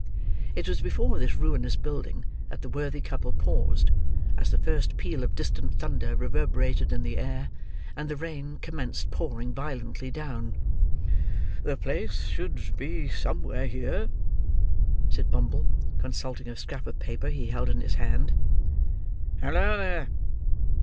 It was before this ruinous building that the worthy couple paused, as the first peal of distant thunder reverberated in the air, and the rain commenced pouring violently down. "The place should be somewhere here," said Bumble, consulting a scrap of paper he held in his hand. "Halloa there!"